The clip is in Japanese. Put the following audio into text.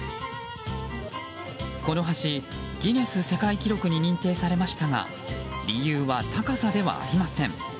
この橋、ギネス世界記録に認定されましたが理由は高さではありません。